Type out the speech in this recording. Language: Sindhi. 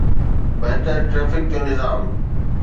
بهتر ٽرئفڪ جو نظام.